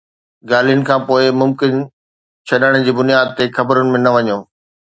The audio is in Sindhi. ڳالهين کانپوءِ ممڪن ڇڏڻ جي بنياد تي خبرن ۾ نه وڃو